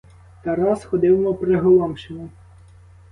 Тарас ходив, мов приголомшений.